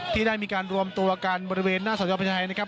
ที่ได้มีการรวมตัวกันบริเวณหน้าสัญจรประชาไทยนะครับ